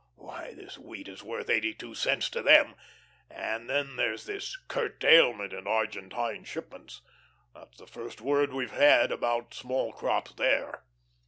Why, this wheat is worth eighty two cents to them and then there's this 'curtailment in Argentine shipments.' That's the first word we've had about small crops there.